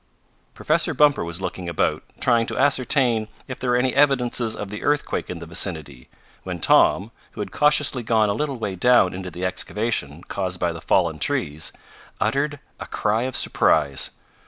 Professor Bumper was looking about, trying to ascertain if there were any evidences of the earthquake in the vicinity, when Tom, who had cautiously gone a little way down into the excavation caused by the fallen trees, uttered a cry of surprise.